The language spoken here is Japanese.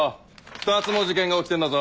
２つも事件が起きてんだぞ！